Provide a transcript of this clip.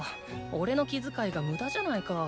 おれの気遣いがムダじゃないか。